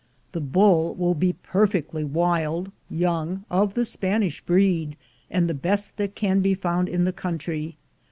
The Bull will be perfectly wild, young, of the Spanish breed, and the best that can be found in the country.